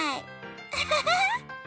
アハハハ！